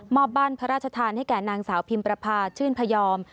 บ้านพระราชทานให้แก่นางสาวพิมประพาชื่นพยอม